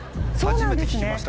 初めて聞きました